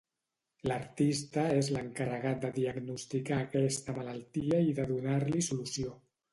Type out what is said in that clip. L'artista és l'encarregat de diagnosticar aquesta malaltia i de donar-li solució.